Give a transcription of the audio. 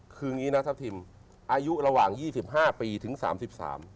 คืออย่างนี้นะทัพทิมอายุระหว่าง๒๕ปีถึง๓๓ปี